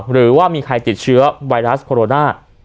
หรือว่ามีใครติดเชื้อไวรัสโคโรนา